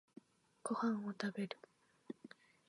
ご飯を食べる